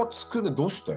どうして？